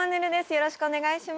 よろしくお願いします。